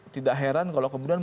tidak heran kalau kemudian